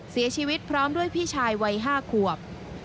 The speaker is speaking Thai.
เสียชีวิตพร้อมด้วยพี่ชายวัย๕ขวบ